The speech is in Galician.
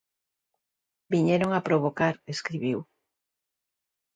Viñeron a provocar, escribiu.